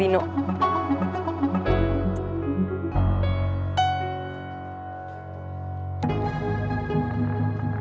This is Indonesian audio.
dia mulai keras ya